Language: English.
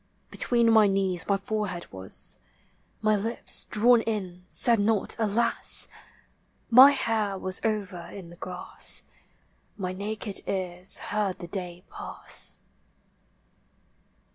Between my knees my forehead was, My lips, drawn in, said not Alas! My hair was over in the grass, My naked cars heard the day pass.